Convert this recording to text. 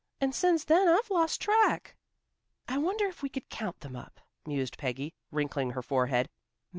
And since then I've lost track." "I wonder if we could count them up," mused Peggy, wrinkling her forehead.